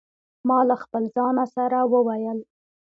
ما له خپل ځانه سره وویل.